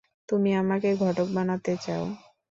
তুমি আমাকে ঘটক বানাতে চাও।